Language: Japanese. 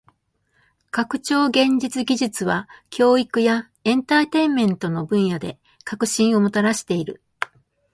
拡張現実技術は教育やエンターテインメントの分野で革新をもたらしている。